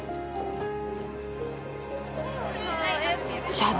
社長！？